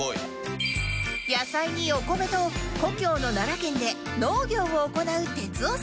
野菜にお米と故郷の奈良県で農業を行う哲夫さん